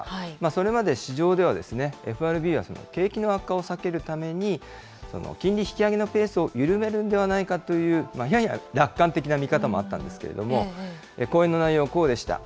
それまで市場では、ＦＲＢは景気の悪化を避けるために、金利引き上げのペースを緩めるんではないかという、やや楽観的な見方もあったんですけれども、講演の内容、こうでした。